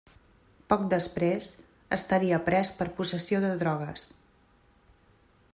Poc després, estaria pres per possessió de drogues.